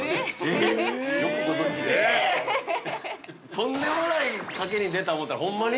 ◆とんでもない賭けに出たと思ったら、ほんまに？